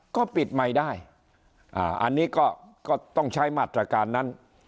ก็ปิดใหม่ได้อันนี้ก็ต้องใช้มาตรการนั้น